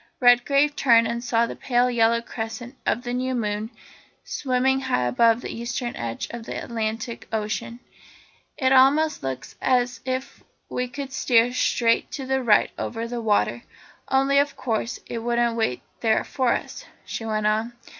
Redgrave turned and saw the pale yellow crescent of the new moon swimming high above the eastern edge of the Atlantic Ocean. "It almost looks as if we could steer straight to it right over the water only, of course, it wouldn't wait there for us," she went on.